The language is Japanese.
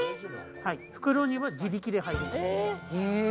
袋には自力で入ります。